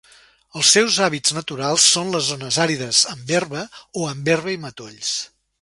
Els seus hàbitats naturals són les zones àrides, amb herba o amb herba i matolls.